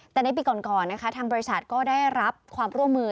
แต่ในปีก่อนนะคะทางบริษัทก็ได้รับความร่วมมือ